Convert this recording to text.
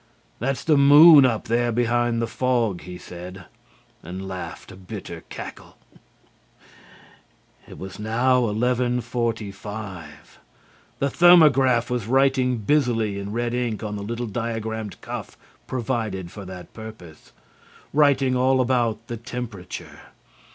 "That's the moon up there behind the fog," he said, and laughed a bitter cackle. It was now 11:45. The thermograph was writing busily in red ink on the little diagrammed cuff provided for that purpose, writing all about the temperature.